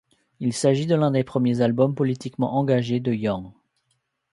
Il s'agit de l'un des premiers albums politiquement engagés de Young.